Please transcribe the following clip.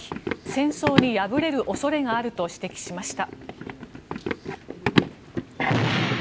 戦争に敗れる恐れがあると指摘しました。